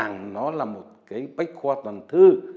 nó là một cái bách khoa toàn thư